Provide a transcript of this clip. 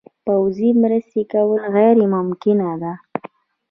پوځي مرستې کول غیر ممکنه ده.